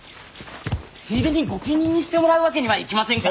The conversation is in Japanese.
ついでに御家人にしてもらうわけにはいきませんか。